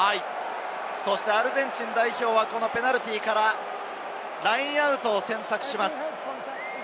そしてアルゼンチン代表はペナルティーからラインアウトを選択します。